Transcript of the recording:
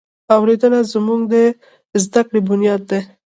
اورېدنه زموږ د زده کړې بنیاد دی.